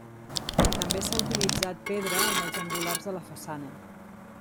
També s'ha utilitzat pedra en els angulars de la façana.